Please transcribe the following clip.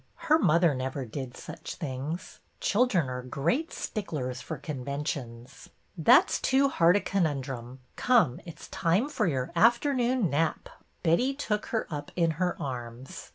Her mother never did such things. Chil dren are great sticklers for conventions. That 's too hard a conundrum. Come, it 's time for your afternoon nap." Betty took her up in her arms.